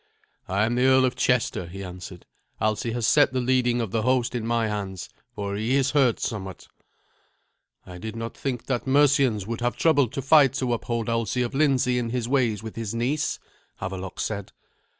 "I am the Earl of Chester," he answered. "Alsi has set the leading of the host in my hands, for he is hurt somewhat." "I did not think that Mercians would have troubled to fight to uphold Alsi of Lindsey in his ways with his niece," Havelok said.